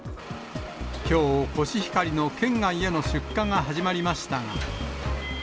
きょう、コシヒカリの県外への出荷が始まりましたが。